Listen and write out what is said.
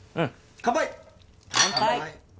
乾杯！